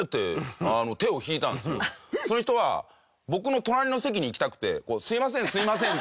その人は僕の隣の席に行きたくて「すいませんすいません」